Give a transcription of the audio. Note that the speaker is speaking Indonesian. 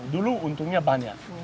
dulu untungnya banyak